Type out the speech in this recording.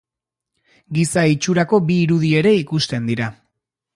Giza itxurako bi irudi ere ikusten dira.